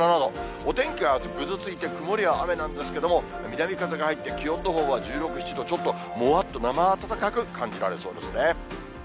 お天気はぐずついて曇りや雨なんですけれども、南風が入って気温のほうは１６、７度、ちょっともわっと、なまあたたかく感じられそうですね。